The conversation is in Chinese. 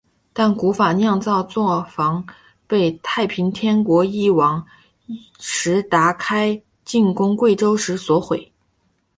但古酿造作房被太平天国翼王石达开进攻贵州时所毁。